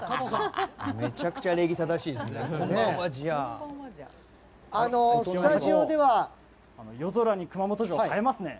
めちゃくちゃ礼儀正しいですね。